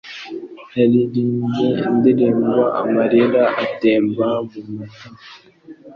Yaririmbye indirimbo amarira atemba mumatama.